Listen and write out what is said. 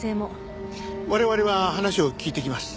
我々は話を聞いてきます。